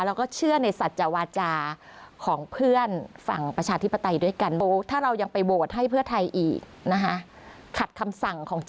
แล้วก็เชื่อในสัจวาจาของเพื่อนฝั่งประชาธิปไตยด้วยกัน